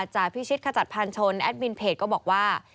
จากพิชิตขจัดพันชนแอดมินเพจก็บอกว่า